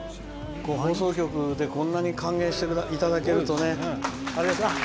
放送局でこんなに歓迎していただけると。